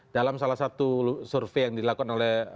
dalam salah satu survei yang dilakukan oleh